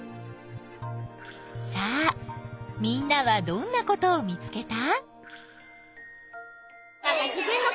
さあみんなはどんなことを見つけた？